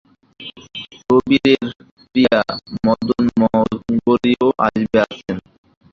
প্রবীরের প্রিয়া মদনমঙ্গরীও আসরে আছেন।